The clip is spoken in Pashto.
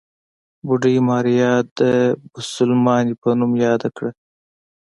بوډۍ ماريا د بوسلمانې په نوم ياده کړه.